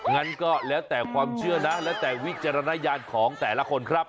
งั้นก็แล้วแต่ความเชื่อนะแล้วแต่วิจารณญาณของแต่ละคนครับ